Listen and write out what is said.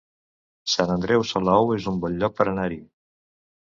Sant Andreu Salou es un bon lloc per anar-hi